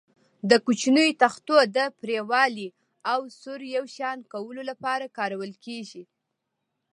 د کوچنیو تختو د پرېړوالي او سور یو شان کولو لپاره کارول کېږي.